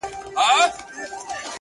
کمزوری سوئ يمه; څه رنگه دي ياده کړمه;